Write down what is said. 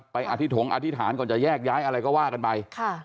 อธิถงอธิษฐานก่อนจะแยกย้ายอะไรก็ว่ากันไป